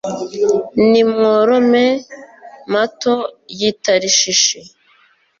Nimworome, mato y’i Tarishishi,